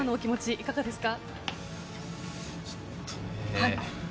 いかがですか？